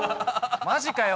「マジかよ！」